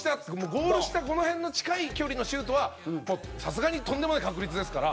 ゴール下、この辺の近い距離のシュートはさすがにとんでもない確率ですから。